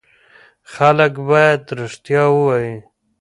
خلک باید رښتیا ووایي.